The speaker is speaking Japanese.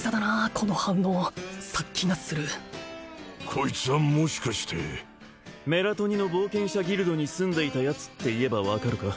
この反応殺気がするこいつはもしかしてメラトニの冒険者ギルドに住んでいたヤツって言えば分かるか？